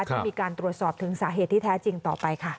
ที่มีการตรวจสอบถึงสาเหตุที่แท้จริงต่อไปค่ะ